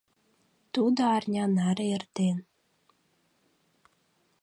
Тудо арня наре эртен.